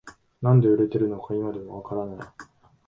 なんで売れてるのか今でもわからない